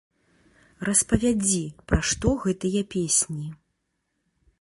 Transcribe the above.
Распавядзі, пра што гэтыя песні.